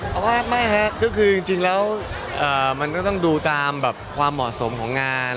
ก็ว่าไม่ฮะจริงแล้วมันก็ต้องดูตามความเหมาะสมของงาน